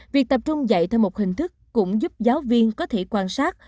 việc tập trung dạy theo một hình thức cũng giúp giáo viên có thể quan sát